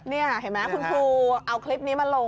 นี่เห็นไหมคุณครูเอาคลิปนี้มาลง